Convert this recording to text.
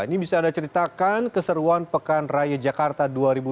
ini bisa anda ceritakan keseruan pekan raya jakarta dua ribu dua puluh